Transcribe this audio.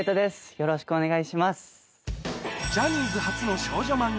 よろしくお願いします。